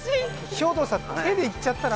兵藤さん、手でいっちゃったら？